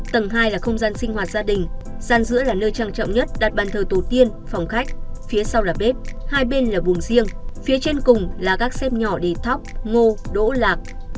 tầng hai là không gian sinh hoạt gia đình gian giữa là nơi trang trọng nhất đặt bàn thờ tổ tiên phòng khách phía sau là bếp hai bên là buồng riêng phía trên cùng là các xem nhỏ để thóc ngô đỗ lạc